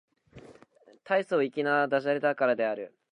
大層粋な駄洒落だからである